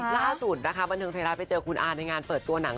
ล่าสุดนะคะบันเทิงไทยรัฐไปเจอคุณอาในงานเปิดตัวหนัง